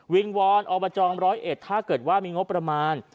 วอนอบจร้อยเอ็ดถ้าเกิดว่ามีงบประมาณ